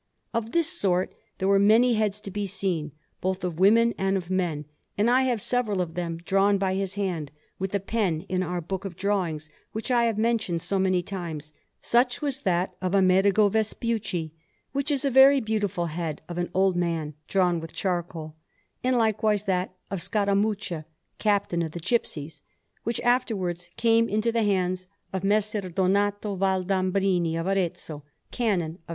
Of this sort there are many heads to be seen, both of women and of men, and I have several of them, drawn by his hand with the pen, in our book of drawings, which I have mentioned so many times; such was that of Amerigo Vespucci, which is a very beautiful head of an old man drawn with charcoal, and likewise that of Scaramuccia, Captain of the Gypsies, which afterwards came into the hands of M. Donato Valdambrini of Arezzo, Canon of S.